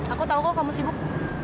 aku tahu kok kamu sibuk